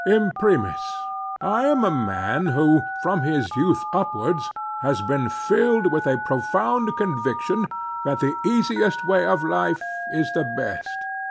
Imprimis: I am a man who, from his youth upwards, has been filled with a profound conviction that the easiest way of life is the best.